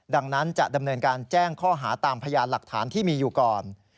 ดังนั้นจะดำเนินการแจ้งข้อหาตามพยานหลักฐานที่มีอยู่ก่อน